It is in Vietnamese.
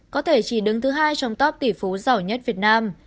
có thể chỉ đứng thứ hai trong top tỷ phú giỏi nhất việt nam